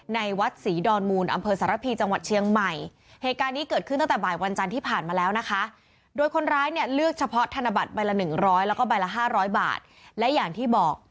ในวัดศรีดอนมูลอำเภอสระพีจังหวัดเชียงใหม่